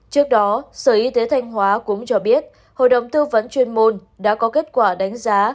trước đó sở y tế thanh hóa cũng cho biết hội đồng tư vấn chuyên môn đã có kết quả đánh giá